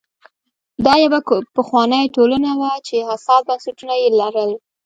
دا یوه پخوانۍ ټولنه وه چې حساس بنسټونه یې لرل.